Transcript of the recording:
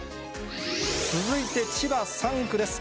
続いて千葉３区です。